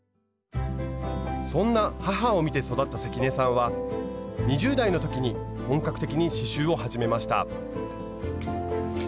そんな母を見て育った関根さんは２０代の時に本格的に刺しゅうを始めました。